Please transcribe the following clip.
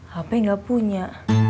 hp gak punya